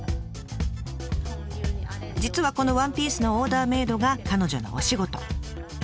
実はこのワンピースのオーダーメードが彼女のお仕事。